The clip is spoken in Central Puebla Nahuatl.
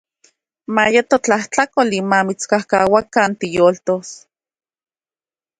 Mayeto tlajtlakoli mamitskauakan tiyoltos.